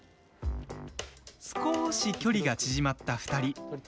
少し距離が縮まった２人。